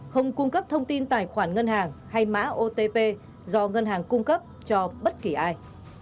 không cung cấp thông tin tài khoản ngân hàng hay mã otp do ngân hàng cung cấp cho bất kỳ ai